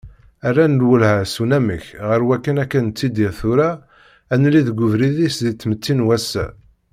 Rran lwelha s unamek ɣer wayen akka nettidir tura ur nelli deg ubrid-is di tmetti n wass-a.